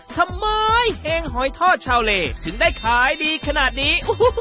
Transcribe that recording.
ทำไมเฮงหอยทอดชาวเลถึงได้ขายดีขนาดนี้